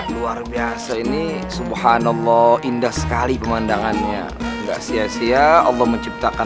luar biasa ini subhanallah indah sekali pemandangannya enggak sia sia allah menciptakan